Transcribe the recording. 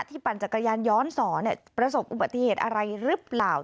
ปั่นจักรยานย้อนสอนประสบอุบัติเหตุอะไรหรือเปล่า